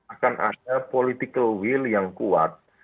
akan ada political will yang kuat